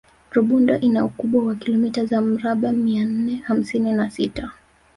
Rubondo ina ukubwa wa kilomita za mraba mia nne hamsini na sita